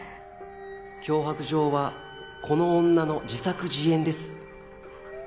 脅迫状はこの女の自作自演です。